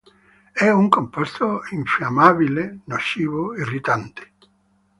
È un composto infiammabile, nocivo, irritante.